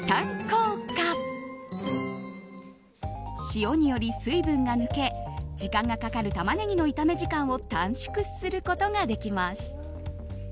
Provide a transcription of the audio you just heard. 塩により水分が抜け時間がかかるタマネギの炒め時間を短縮することができます。